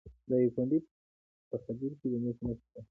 د دایکنډي په خدیر کې د مسو نښې شته.